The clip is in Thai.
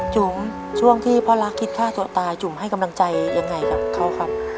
จุ๋มช่วงที่พ่อรักคิดฆ่าตัวตายจุ๋มให้กำลังใจยังไงกับเขาครับ